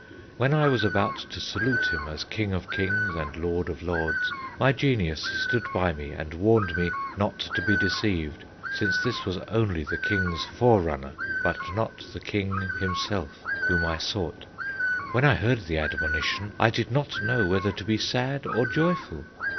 When I was about to salute him as King of Kings and Lord of Lords, my Genius stood by me and warned me not to be deceived, since this was only the King's forerunner, but not the King himself whom I sought. "When I heard the admonition, I did not know whether to be sad or joyful.